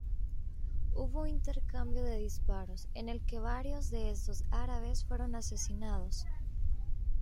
Hubo intercambio de disparos, en el que varios de estos árabes fueron asesinados.